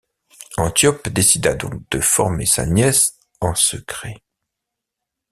Antiope décida donc de former sa nièce en secret.